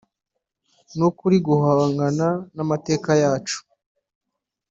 ni uko ari uguhangana n’amateka yacu